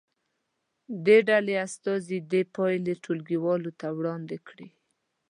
د ډلې استازي دې پایلې ټولګي والو ته وړاندې کړي.